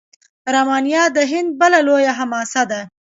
راماینا د هند بله لویه حماسه ده.